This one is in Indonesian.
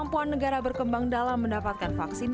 kemampuan negara berkembang dalam mendapatkan vaksin